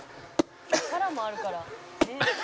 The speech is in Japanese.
「力もあるから」